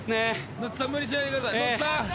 ノッチさん無理しないでください！